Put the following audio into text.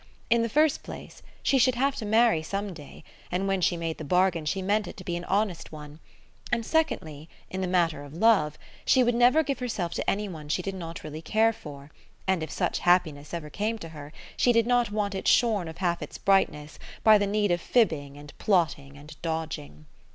In the first place, she should have to marry some day, and when she made the bargain she meant it to be an honest one; and secondly, in the matter of love, she would never give herself to anyone she did not really care for, and if such happiness ever came to her she did not want it shorn of half its brightness by the need of fibbing and plotting and dodging.